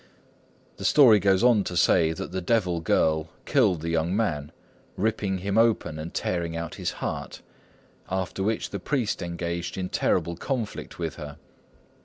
The story goes on to say that the devil girl killed the young man, ripping him open and tearing out his heart; after which the priest engaged in terrible conflict with her.